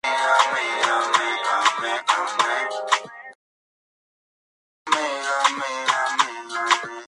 Ha participado en numerosas películas, series de televisión, programas de variedades, música y vídeos.